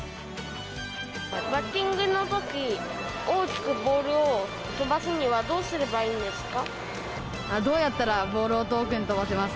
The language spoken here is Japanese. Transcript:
バッティングのとき、大きくボールを飛ばすにはどうすればいいんですか？